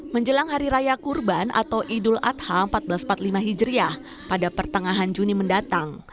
menjelang hari raya kurban atau idul adha seribu empat ratus empat puluh lima hijriah pada pertengahan juni mendatang